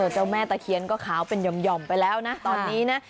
เจ้าแม่ตะเคียนก็ขาวเป็นหย่อมไปแล้วนะตอนนี้นะ